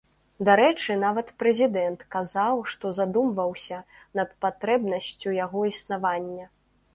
Дарэчы, нават прэзідэнт казаў, што задумваўся над патрэбнасцю яго існавання.